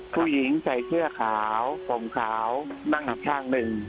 ผู้หญิงใส่เสื้อขาวผมขาวนั่งอีกข้างหนึ่ง